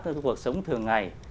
cái cuộc sống thường ngày